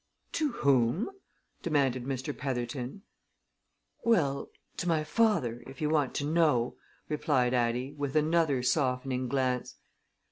"To whom?" demanded Mr. Petherton. "Well to my father, if you want to know," replied Addie, with another softening glance.